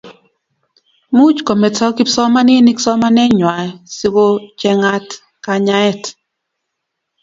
much kometo kipsomaninik somanet nguay sikochengat kanyaet